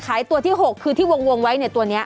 ขายตัวที่๖คือที่วงไว้ตัวนี้